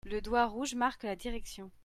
Le doigt rouge marque la direction.